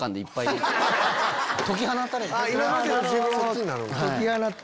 解き放たれた。